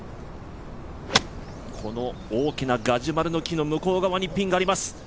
この大きなガジュマルの木の向こう側にピンがあります。